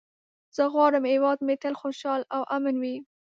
زه غواړم هېواد مې تل خوشحال او امن وي.